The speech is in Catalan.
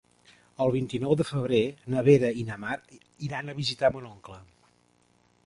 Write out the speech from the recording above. El vint-i-nou de febrer na Vera i na Mar iran a visitar mon oncle.